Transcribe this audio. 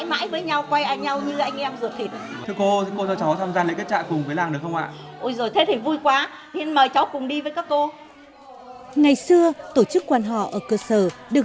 bằng cách hợp tác